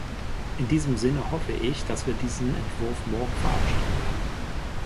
In diesem Sinne hoffe ich, dass wir diesen Entwurf morgen verabschieden werden!